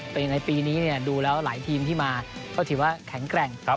เป็นอย่างไรปีนี้เนี่ยดูแล้วหลายทีมที่มาก็ถือว่าแข็งแกร่งครับ